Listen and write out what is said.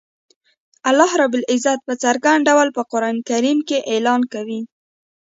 الله رب العزت په څرګند ډول په قران کریم کی اعلان کوی